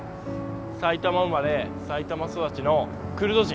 埼玉生まれ埼玉育ちのクルド人。